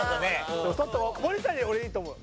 ちょっと森田に俺いいと思う。